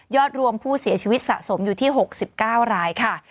รวมผู้เสียชีวิตสะสมอยู่ที่๖๙รายค่ะ